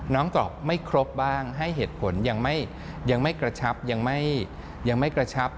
น้องตอบไม่ครบบ้างให้เหตุผลยังไม่กระชับ